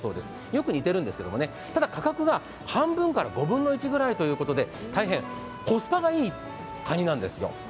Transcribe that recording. よく煮てるんですけれどもね、価格は半分から５分の１ぐらいということで大変コスパがいいカニなんですよ。